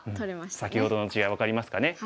先ほどの違い分かりますかね。